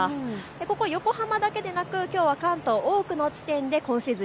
ここ横浜だけでなくきょうは関東多くの地点で今シーズン